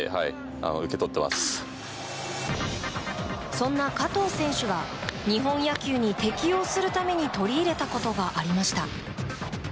そんな、加藤選手が日本野球に適応するために取り入れたことがありました。